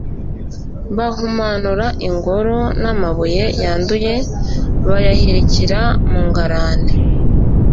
bahumanura ingoro, n'amabuye yanduye bayahirikira mu ngarani